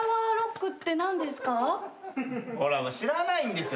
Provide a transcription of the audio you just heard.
知らないんですよ